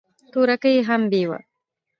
تورکى يې هم بېوه.